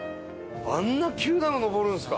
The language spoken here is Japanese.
あんな急なの上るんですか？